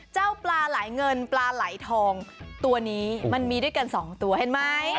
เจ้าปลาไหลเงินปลาไหลทองตัวนี้มันมีด้วยกันสองตัวเห็นไหม